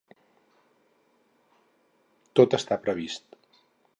Tot està previst.